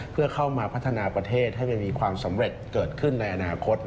เพื่อเข้ามาพัฒนาประเทศให้มันมีความสำเร็จเกิดขึ้นในอนาคต